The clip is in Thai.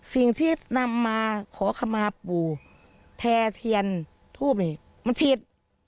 สิ่งที่นำมาขอขมาปู่แพรเทียนทูปนี่มันผิด